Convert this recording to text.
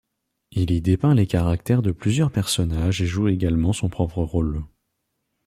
Il y dépeint les caractères de plusieurs personnages et joue également son propre rôle.